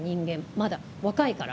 まだ若いから。